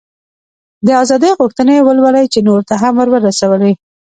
د ازادۍ غوښتنې ولولې یې نورو ته هم ور ورسولې.